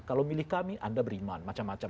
kalau milih kami anda beriman